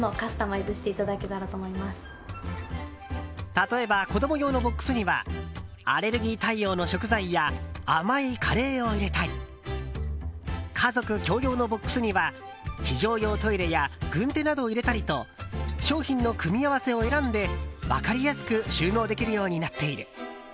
例えば、子供用のボックスにはアレルギー対応の食材や甘いカレーを入れたり家族共用のボックスには非常用トイレや軍手などを入れたりと商品の組み合わせを選んで分かりやすく収納できるようになっている。